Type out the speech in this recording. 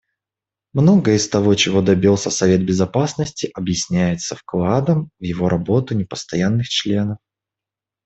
Многое из того, чего добился Совет Безопасности, объясняется вкладом в его работу непостоянных членов.